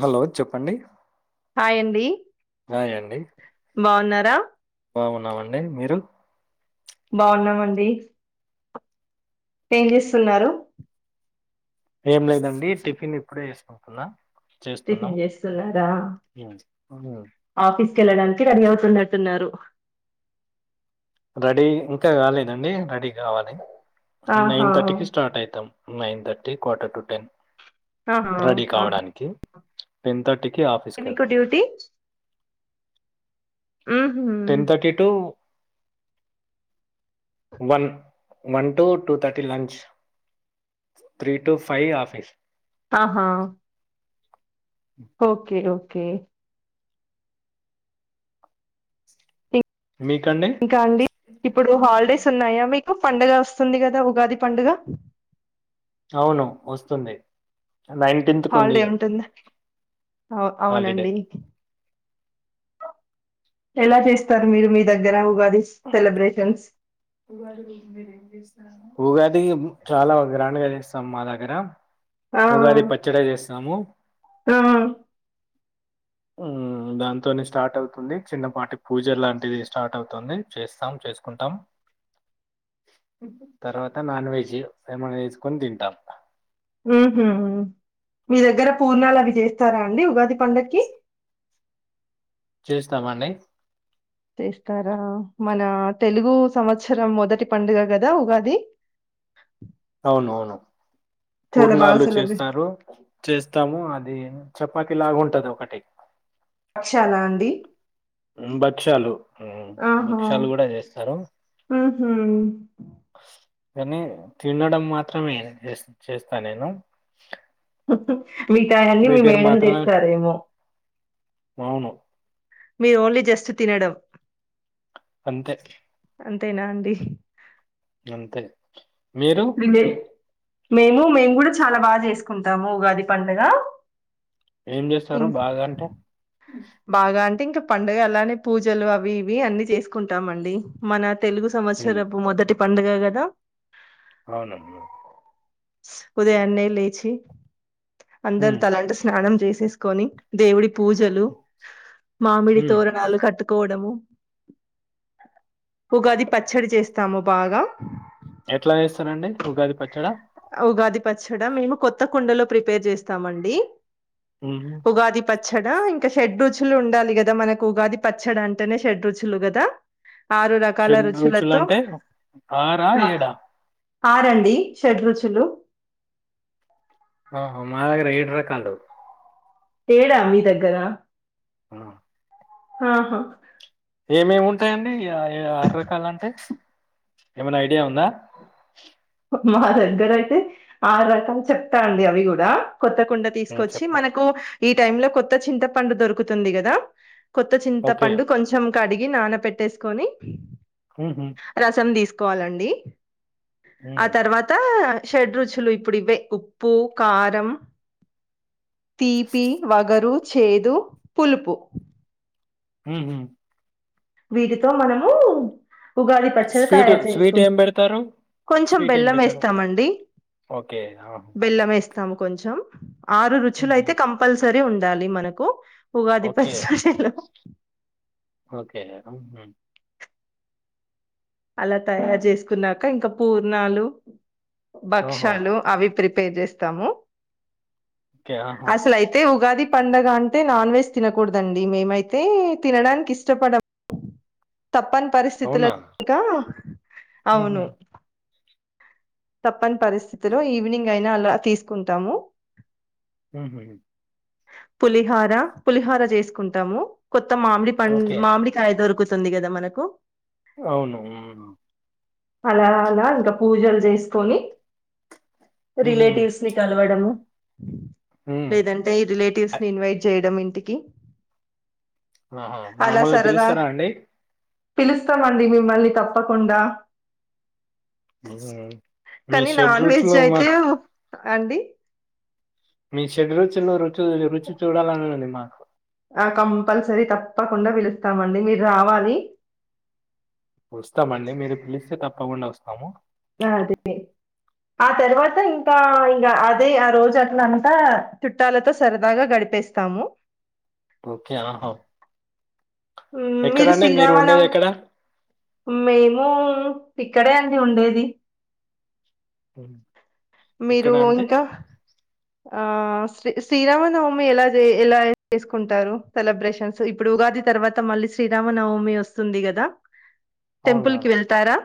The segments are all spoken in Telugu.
హలో చెప్పండి హాయండి ఆ ఏండి అద [unintelligible] బావున్నామండి మీరు బావున్నామండి ఏం చేస్తున్నారు ఏం లేదండి టిఫిన్ ఇప్పుడే వేసుకుంటున్నా టిఫిన్ చేస్తున్నారా ఉమ్. ఉమ్. ఆఫీస్ క వెళ్ళడానికి రెడీ అవుతున్నట్టున్నారు రెడీ ఇంకా కాలేదండి రెడీ కావాలి నైన్ ఆహా థర్టీకిి స్టార్ట్ అయితాం nine thirty quarter to ten ఆహా రెడీ కావడానికి టెన్ థర్టీ మికు డ్యూటీ మ్ హుమ్ ten thirty to one one to two thirty lunch three to five office ఆహా ఓకే ఓకే మీకండి ఇంకా అండి ఇప్పుడు హాలిడేస్ ఉన్నాయా మీకు పండుగ వస్తుంది కదా ఉగాది పండుగ అవును వస్తున్నా య్ హాలిడే ఉంటుంది అ హాలిడే అవునండి ఎలా చేస్తారు మీరు మీ దగ్గర ఉగాద్ ఉగాది ఇంమ్ చాలా ఉంది గ్రాండ్ గా చేస్తాం మా దగ్గర ఆ ఉగాది పచ్చడే చెస్ నమో ఆ ఆ దాన్ తోనే స్టార్ట్ అవుతుంది చిన్నపాటి పూజ లాంటిది స్టార్ట్ అవుతుంది చేస్తాం చేసుకుంటాం తర్వాత నాన్ వెజ్ ఏమన్నా చేసుకొని తింటాం ఉ హు మీ దగ్గర పూర్ణాలు అవి చేస్తారా అండి ఉగాది పండక్కి చేస్తాము అండి చేస్తారా మన తెలుగు సంవత్సరం మొదటి పండుగ కదా ఉగాది అవును అవును చాలా బాగా పూర్ణాలు సెలబ్రేట్ చేస్తారు చేస్తాము అది చెప్ పతి లాగ ఉంటది ఒకటి అక్షల అండి ఉ బచ్చలు ఉ ఆహా భక్షాలు కూడా చేస్తారు మ్హూ. గనీ తినడం మాత్రమే చేస్తా నేను మీగతయన్ని మీ ప్రిపేర్ మేడం మాత్రమే చేస్తారేమో అవును మీరు ఓన్లీ జస్ట్ తినడం అంతే అంతేనా అండి అంతే మీరు రిలే- మేము మేము కూడా చాలా బాగా చేసుకుంటాము ఉగాది పండగ ఏం చేస్తారు బాగా అంటే బాగా అంటే ఇంకా పండుగ అలానే పూజలు అవి ఇవి అన్ని చేసుకుంటాం అండి మన తెలుగు హ్మ్ సమాచారపు మొదటి పండుగ కదా అవును అమ్మ ఉదయానే లేచి అందరు హ్మ్. తలాంటు స్నానం జేసి చేసుకొని దేవుడి పూజలు మామిడి హ్మ్. తోరణాలు కట్కు గోడము ఉగాది పచ్చడి చేస్తాము బాగా ఎట్లా చేస్తారండి ఉగాది పచ్చడా ఉగాది పచ్చడి మేము కొత్త కొండలో ప్రిపేర్ చేస్తామండి హుహు. ఉగాదిపత్ పచ్చడా ఇంకా షెడ్ రుచులు ఉండాలి గదా మనకు ఉగాది పచ్చడి అంటేనే షెడ్ రుచులు కదా ఆరు రకాల షడ్రుచులు రుచులతో అంటే ఆరా ఏడా ఆరండి షడ్రుచులు ఆహా! మా దగ్గర రకాలు. ఏడా మీ దగ్గర అ ఆహా ఏమేమి ఉంటాయండి ఆరు రకాల అంటే ఏమైనా ఐడియా ఉందా మా దగ్గర అయితే ఆరు రకాలు చెప్తా అండి అవి కూడా కొత్త కుండ హ్మ్. తీసుకొచ్చి చెప్పు. మనకు ఈ ఈ టైం లో కొత్త చింత పండు దొరుకుతుంది కదా కొత్త చింత ఓకే. పండు కొంచెం కడి కడిగి నాన పెట్టేసుకొని హుహు. రసం తీసుకు కోవాలండి ఆ హ్మ్. తర్వాత షడ్ రుచులు ఇప్పుడు ఇవే ఉప్పు కారం తీపి వగరు చేదు పులుపు ఊహు వీటితో మనము ఉగాది పచ్చడి స్వీటు తయారు స్వీట్ చేసుకుం ఏం పెడతారు? కొంచెం స్వీట్ ఏం బెల్లం పెట్టరు? వేస్తామండి ఓకే. ఆహా! బెల్లం వేస్ పెడతాము కొంచెం ఆరు రుచులు అయితే హుహు. కంపల్సరీ ఉం ఉండాలి మనకు ఉగాది ఓకే. పచ్చడిలో [inaudible] అలా తయారు చేసుకున్నాక ఇంకా పూర్ణాలు ఓహో! భక్షాలు అవి ప్రిపె పే చేస్తాము ఓకే. ఆహా! అసలయితే ఉ ఉగాది పండగ అంటే నాన్ వెజ్ తినకూడదండి మేమైతే తినడానికి ఇష్టపడము తప్పని అవునా? పరిస్థితలలో ఇంకా అవును ఉహూ. తప్పని పరిస్థితిలలొ ఈవినింగ్ అయినా అలా తీసుకుంటాము ఉహు పులిహార పులిహార చేసుకుంటాము మామిడి పండ్లు ఓకే. మామిడి కాయ వస్తుందిగద మనకు అవును. హ్మ్. అలా అలా ఇంకా పూజలు చేస్త కోని హుహు. రిలేటివ్స్ని కలవడము. హ్మ్. లేదంటే ఈ రిలేటివ్స్ అ ని ఇన్వైట్ చేయడం ఇన్ ఇంటికి ఆహా అలా మమ్మల్ని సరదా పిలుస్తారా అండి. పిలుస్తామండి మిమ్మల్ని తప్పకుండా ఆ కానీ నాన్ వెజ్ అయితే అండి. మీ షడ్రుచులో రుచు రుచి చూడాలనుంది మాకు ఆ కంపల్సరీ తప్పకుండా పిలుస్తామండి మీరు రావాలి. వస్తామండి. మీరు పిలిస్తే తప్పకుండా వస్తాము. ఆ అదే ఆ తర్వాత ఇంకా ఇంకా అదే ఆ రోజు అట్లాంతా చుట్టాలతో సరదాగా గడిపేస్తాము. ఓకే ఆ హౌ మీరు శ్రీరావలం ఉండేదెక్కడ? మేము ఇక్కడే అండి ఉండేది. హ మీరూ ఇంక ఆ శ్రీ శ్రీరామనవమి ఎలా చె ఎలా చేసుకుంటారు సెలబ్రేషన్స్ ఇప్పుడు ఉగాది తర్వాత మళ్ళీ శ్రీరామనవమి వస్తుంది కదా టెంపుల్ కి అవునవును. వెళ్తారా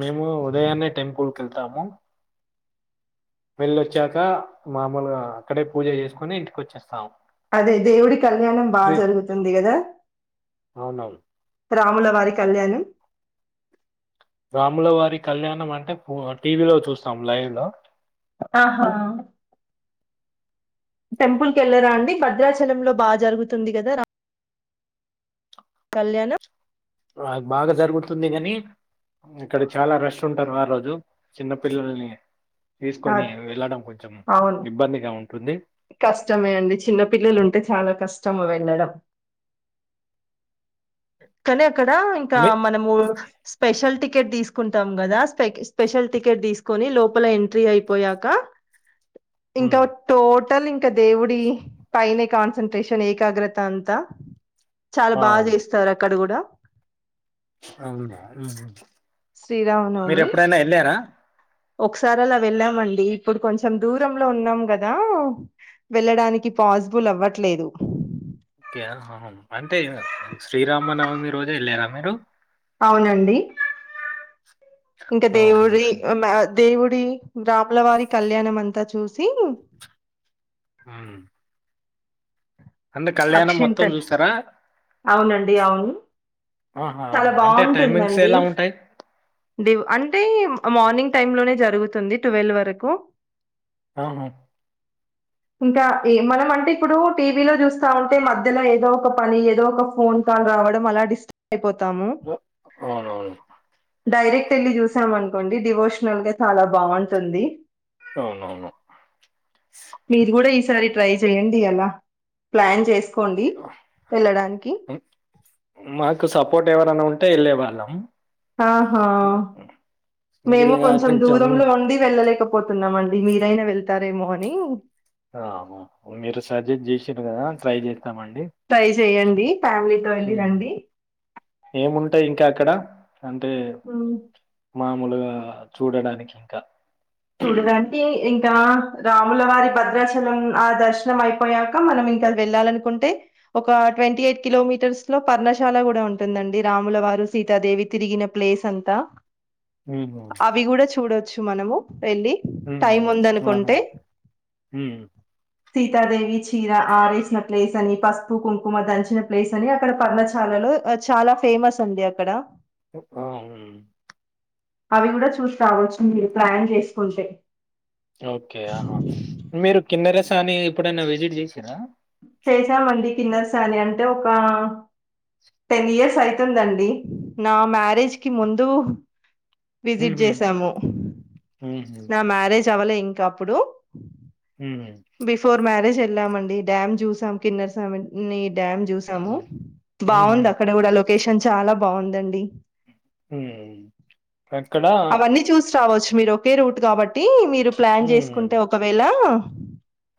మేము ఉదయాన్నే టెంపుల్ కెళ్తాము. వెల్లోచ్చాక మామూలుగా అక్కడే పూజ చేసుకుని ఇంటికి వచ్చేస్తాం. అదే దేవుడి కళ్యాణం బాజరుగుతుంది కదా అవునవును. రాముల వారి కళ్యాణం. రాముల వారి కళ్యాణం అంటే బొ టీవీలో చూస్తాం లైవ్లో ఆహా టెంపుల్కీ ఎళ్ళరా అండి భద్రాచలం లో బాజరుగుతుంది కదా రా ముల కళ్యాణం. అది బాగా జరుగుతుంది కని అక్కడ చాలా రష్ ఉంటరు ఆ రోజు చిన్నపిల్లల్ని ఆ తీసుకొని వెళ్ళడం కొంచెం ఇబ్బందిగా ఉంటుంది. కష్టమేఅండి చిన్న పిల్లలు ఉంటే చాలా కష్టం వెళ్ళడం కానీ అక్కడ ఇంకా మీ మనము స్పెషల్ టిక్ కెట్ తీసుకుంటాం కదా స్పెకి స్పెషల్ టికెట్ తీసుకొని లోపల ఎంట్రీ ఐయిపోయాక ఉమ్, ఇంకావ్ టోట్ టల్ ఇంక దేవుడి పైనె కాన్సంట్రేషన్ ఏకాగ్రత అంతా చాల ఆ, బాచేస్తారు అక్కడ కూడా అవునా మీరెప్పుడైనా ఎళ్ళారా ఒకసారాల వెళ్ళామండి ఇప్పుడు కొంచెం దూరంలో ఉన్నాం కదా వెళ్లడానికి పాజ్బుల్ అవ్వట్లేదు కె అంటే శ్రీరామనవమి రోజే ఎళ్ళారా మీరు అవునండి ఇంక ఓహో. దేవుడి ఒమాత్ దేవుడి రాపులవారి కళ్యాణం అంతా చూసి ఆ మొత్తం అక్షింతల్ చూస్తారా అవునండి అవును ఆహా. చాలా అంటే బావుంటుంది టైమింగ్స్ అండీ ఎలా ఉంటాయి దేవ్ అంటే మార్నింగ్ టైం లోనే జరుగుతుంది టువెల్ వరకు ఆహా ఇంకా ఈ మనం అంటే ఇప్పుడు టీవీలో చూసి అంటే మధ్యలో ఏదో ఒక పని ఏదో ఒక ఫోన్ కాల్ రావడం అలా డిస్టర్బ్ అయిపోతుంది తాము అవునవును డైరెక్ట్ వెళ్ళి చూసాం అనుకోండి డివోషనల్ గా చాలా బాగుంటుంది అవునవును సరి ట్రై చెయడి అలా ప్లాన్ చేసి మాకు సపోర్ట్ ఎవరనా ఉంటే వెళ్ళేవా ళ్ళం ఆహా మేము కొంచెం దూరంలో ఉండి వెళ్ళలేకపో తుంద మండి మీరాయినా వెళ్తారే మనీ నీ ఆ మీరు సజెస్ట్ చేసారు కదా ట్రై చేస ట్రై చెయ్యండి డీ ఫ్యామిలీతో హ్మ్ వెళ్ళిరండి ఏముంటాయి ఇంకా అక్కడ అంటే మా మాములుగా చూడడానికి ఇంకా చూడాలా అంటే ఇంకా ఇంకా రాములవారి భద్రాచలం ఆ దర్శనం అయిపోయాక మనం ఇంకా వెళ్ళాలనుకుంటే ఒక ట్వంటీ ఎయిట్ కిలోమీటర్స్ లో పర్ణశాల కూడా ఉంటుందండి రాములవారు సీతాదేవి తిరిగిన ప్లేస్ అంతా హ్మ్ అవి కూడా చూడొచ్చు మనము వెళ్ళి హ్మ్ టైం ఆహా! ఉందనుకుంటే హ్మ్ సీతాదేవి చీర ఆరేసిన ప్లేస్ అని పసుపు కుంకుమ దంచిన ప్లేస్ అని అక్కడ పర్ణశాలలో చాలా ఫేమస్ అండి అక్కడ ఆ ఉమ్ అవి కూడా చూసి రావచ్చు మీరు ప్లాన్ చేసి కొంటె ఓకే మీరు కిన్నరసాని ఏప్పుడైనా విజిట్ చేసారా చేసామండి కిన్నెరసాని అంటే ఒక టెన్ ఇయర్స్ అయితుందండి నా మ్యారేజ్ కి ముందు విజిట్ హుహు. చేసాము హుహు. నా మారేజ్ చవలే ఇంకా అప్పుడు హ్మ్. బిఫోర్ మ్యారేజ్ ఏ వెళ్ళామండి డ్యామ్ చూసాం కిన్నెరసాని నీ డ్యామ్ చూసాము హుహు. బాగుంది అక్కడ కూడా లోక్ కేషన్ చాలా బాగుందండి ఉమ్ ఎక్కడ అవన్నీ చూసి రావచ్చు మీరు ఒకే రూట్ కాబట్టి మీరు మీరు ప్లాన్ చేసుకుంటే ఒకవేళ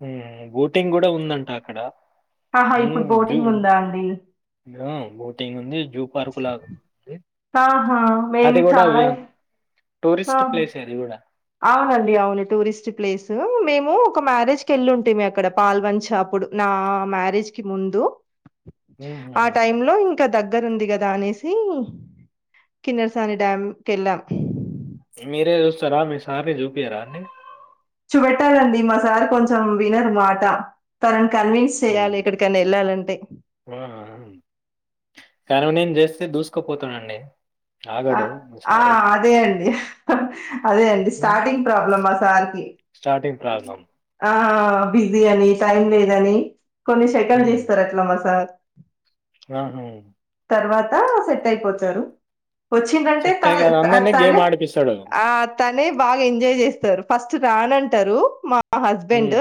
ఉమ్ బోటింగ్ కూడా ఉందంట అక్కడ ఆహా ఇప్పుడు ఉమ్ జు బోటింగ్ ఉందా అండి బోటింగ్ ఉంది జూ పార్క్ లాగుంది ఆహా అది మేము కూడా చాలా వోయినం టూరిస్ట్ ఆ ప్లేస్ అది కూడా అవునండి అవును టూరిస్ట్ ప్లేస్ మేము ఒక మ్యారేజ్ కు వెళ్ళిఉంటిమి అక్కడ పాల్వంచ అప్పుడు నా మ్యారేజ్ కి ముందు ఆ హుహుహు. టైమ్ లో ఇంకా దగ్గర ఉంది కదా దానేసి కిన్నరసాని డ్యాం కి వెళ్ళాం మీరే జుస్తారా మీ సార్ కి జూపియరా అండి చూపెట్టాలండి మా సార్ కొంచెం వినరు మాట తరన్ కన్విన్స్ హ్మ్. చేయాలి ఏక్కడికైనా వెళ్ళాలంటే కరునిన్ చేస్తే దూసుకుపోతాడండి ఆ అదే అండి అదే అండి హ్మ్. స్టార్టింగ్ ప్రాబ్లమ్ మా సార్కి రాగం ఆ బిజీ అని టైం లేదని కొన్ని సెకండ్లు తీస్తారు అట్లా మా సార్ ఆ హమ్ తర్వాత సెట్ అయి పోచ్చారు వచ్చిందంటే సెట్టయి గాదు. తన అందరిని తనే గేమ్ ఆడిపిస్తాడు. ఆ తనే బాగా ఎంజాయ్ చేస్తారు ఫస్ట్ రానంటడి తరు మా మా హస్బెండ్ హ్మ్.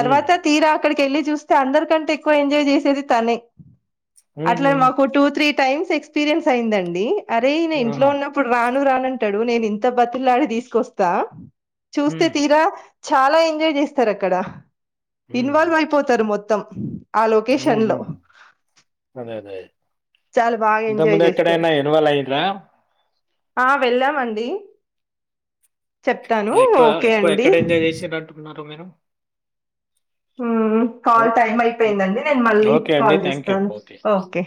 హ్మ్. తీరా అక్కడికి వెళ్ళి చూస్తే అందరికంటే ఎక్కువ ఎంజాయ్ చేసేది తనే అట్లా హుహు. మాకు టూ త్రీ టైమ్స్ ఎక్స్పీరియన్స్ అయిందండి అరే నేను ఇంట్లో ఆహా! ఉన్నప్పుడు రాను రాను అంటాడు నేను ఇంత బతిలాడి తీసుకొస్తా హ్మ్. తీరా చాలా ఎంజాయ్ చేస్తారు అక్కడ హ్మ్. ఇన్వాల్వ్ అయిపోతారు మొత్తం మొత్తం అదే అదే చాలా బాగా ఇంత ఎంజాయ్ ముందు చేస్తారు ఎక్కడనా ఎనువల్ అయిందరా ఆ వెళ్ళామండి చెప్తాను ఎక్కువ ఓకే ఎక్కువ అండి ఎక్కడ ఎంజాయ్ చేసార అంటున్నారు మీరు కాల్ టైమ్ ఓకే అయిపోయిందండి నేను మళ్ళీ ఓకే అండి కాల్ థ్యాంక్ యూ చేస్తాను ఓకే